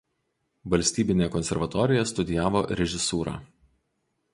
Valstybinėje konservatorijoje studijavo režisūrą.